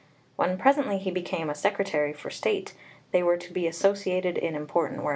When presently he became a Secretary for State they were to be associated in important work.